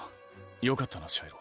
よかったなシャイロ。